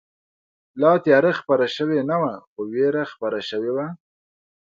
لا تیاره خپره شوې نه وه، خو وېره خپره شوې وه.